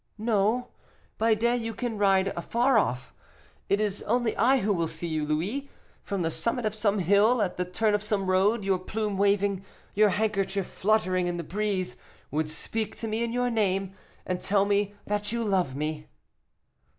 "No; by day you can ride afar off; it is only I who will see you, Louis. From the summit of some hill, at the turn of some road, your plume waving, your handkerchief fluttering in the breeze, would speak to me in your name, and tell me that you love me."